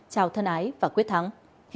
chào thân ái và quyết thắng